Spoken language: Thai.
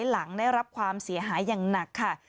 หลังได้รับความเสียหายอย่างหนักค่ะ